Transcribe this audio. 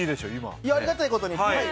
ありがたいことに。